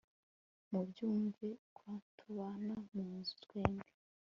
mubyumve ko tubana mu nzu twembi